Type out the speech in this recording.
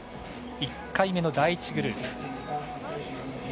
１回目の第１グループ。